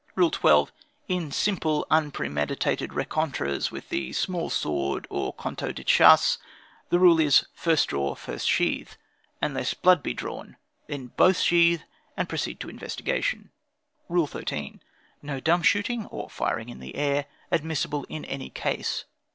"Rule 12. In simple unpremeditated rencontres with the small sword or couteau de chasse, the rule is, first draw, first sheathe; unless blood be drawn: then both sheathe, and proceed to investigation. "Rule 13. No dumb shooting, or firing in the air, admissible in any case.